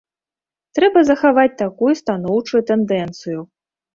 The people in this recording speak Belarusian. Трэба захаваць такую станоўчую тэндэнцыю.